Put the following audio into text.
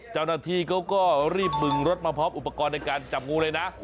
เจ้าหน้าที่เขาก็รีบบึงรถมาพร้อมอุปกรณ์ในการจับงูเลยนะ